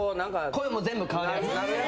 声も全部変わるやつ。